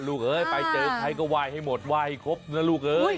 เอ้ยไปเจอใครก็ไหว้ให้หมดไหว้ให้ครบนะลูกเอ้ย